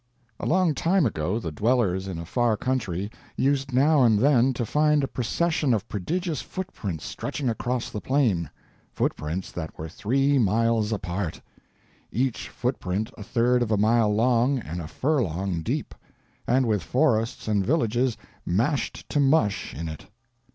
A long time ago the dwellers in a far country used now and then to find a procession of prodigious footprints stretching across the plain—footprints that were three miles apart, each footprint a third of a mile long and a furlong deep, and with forests and villages mashed to mush in it.